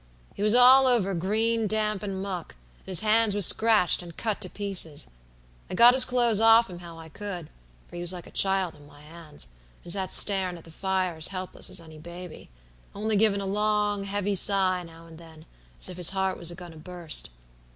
He was all over green damp and muck, and his hands was scratched and cut to pieces. I got his clothes off him how I could, for he was like a child in my hands, and sat starin' at the fire as helpless as any baby; only givin' a long heavy sigh now and then, as if his heart was a goin' to bust.